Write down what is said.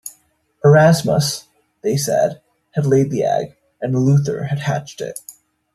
Erasmus, they said, had laid the egg, and Luther had hatched it.